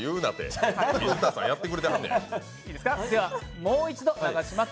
では、もう一度流します。